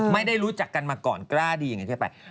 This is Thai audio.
ไม่ได้รู้จักกันมาก่อนกล้าดีอย่างนี้ทั่วไป